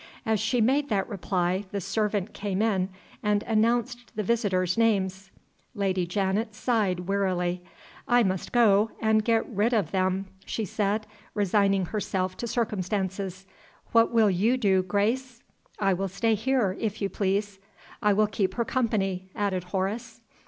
As she made that reply, the servant came in, and announced the visitors' names. Lady Janet sighed wearily. "I must go and get rid of them," she said, resigning herself to circumstances. "What will you do, Grace?" "I will stay here, if you please." "I will keep her company," added Horace.